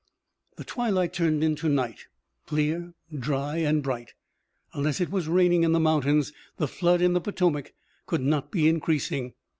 The twilight turned into night, clear, dry and bright. Unless it was raining in the mountains the flood in the Potomac could not be increasing.